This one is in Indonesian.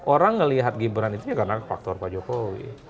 orang melihat gibran itu karena faktor pak jokowi